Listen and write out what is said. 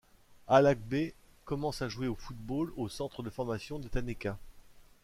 Allagbé commence à jouer au football au centre de formation de Tanéka.